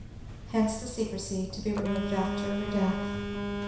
Hence the secrecy, to be removed after her death.